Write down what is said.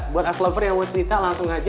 buat axelover yang mau cerita langsung aja